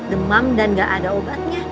demam dan gak ada obatnya